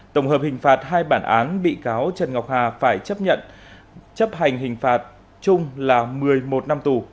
tổng hợp hình phạt hai bản án bị cáo trần ngọc hà phải chấp nhận chấp hành hình phạt chung là một mươi một năm tù